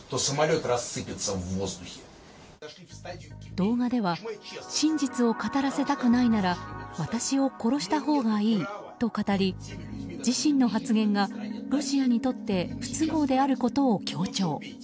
動画では真実を語らせたくないなら私を殺したほうがいいと語り自身の発言がロシアにとって不都合であることを強調。